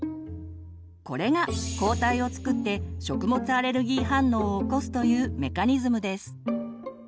これが抗体を作って食物アレルギー反応を起こすというメカニズムです。